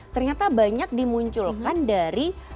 ternyata banyak dimunculkan dari